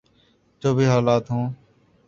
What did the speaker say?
جو بھی حالات ہوں۔